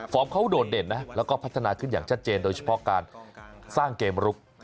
เขาโดดเด่นนะแล้วก็พัฒนาขึ้นอย่างชัดเจนโดยเฉพาะการสร้างเกมลุก